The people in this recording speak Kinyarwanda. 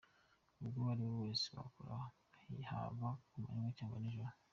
Uwo ari we wese arakora haba ku manywa cyangwa nijoro.